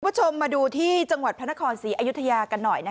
คุณผู้ชมมาดูที่จังหวัดพระนครศรีอยุธยากันหน่อย